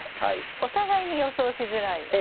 お互いに予想しづらいわけですね。